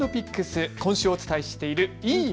今週お伝えしているのはいい○